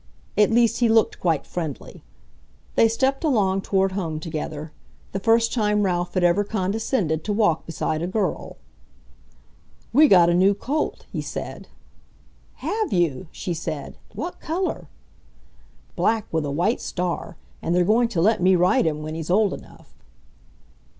At least he looked quite friendly. They stepped along toward home together, the first time Ralph had ever condescended to walk beside a girl. "We got a new colt," he said. "Have you?" she said. "What color?" "Black, with a white star, and they're going to let me ride him when he's old enough."